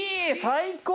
最高！